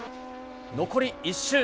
残り１周。